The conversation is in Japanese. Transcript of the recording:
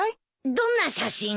どんな写真？